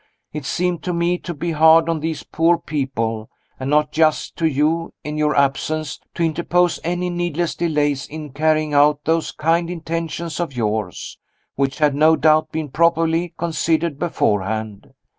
It seemed to me to be hard on these poor people, and not just to you in your absence, to interpose any needless delays in carrying out those kind intentions of yours, which had no doubt been properly considered beforehand.